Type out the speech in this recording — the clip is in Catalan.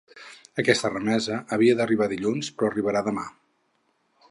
Aquesta remesa havia d’arribar dilluns, però arribarà demà.